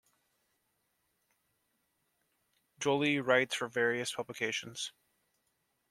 Joly writes for various publications.